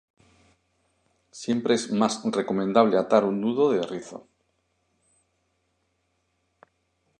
Siempre es más recomendable atar un nudo de rizo.